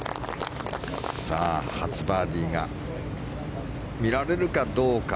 初バーディーが見られるかどうか。